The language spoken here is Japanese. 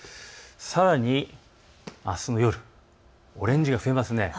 さらにあすの夜、オレンジが増えます。